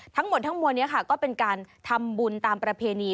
ทั้งหมดทั้งมวลนี้ค่ะก็เป็นการทำบุญตามประเพณี